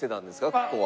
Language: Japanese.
ここは。